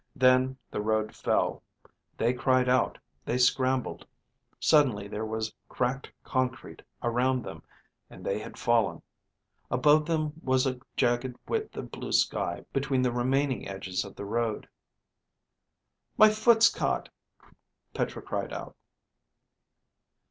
Then the road fell. They cried out, they scrambled; suddenly there was cracked concrete around them, and they had fallen. Above them was a jagged width of blue sky between the remaining edges of the road. "My foot's caught," Petra cried out.